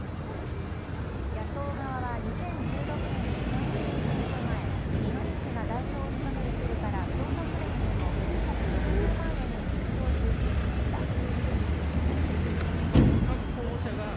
野党側は２０１６年の参議院選挙前二之湯氏が代表を務める支部から京都府連への９６０万円の支出を追及しました。